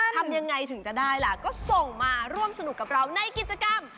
ทำยังไงถึงจะได้ล่ะก็ส่งมาร่วมสนุกกับเราในกิจกรรม